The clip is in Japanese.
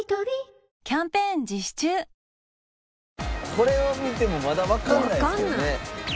これを見てもまだわかんないですけどね。